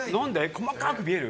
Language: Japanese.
細かく見る？